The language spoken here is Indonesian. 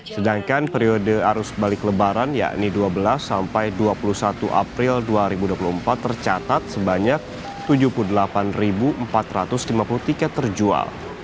sedangkan periode arus balik lebaran yakni dua belas sampai dua puluh satu april dua ribu dua puluh empat tercatat sebanyak tujuh puluh delapan empat ratus lima puluh tiket terjual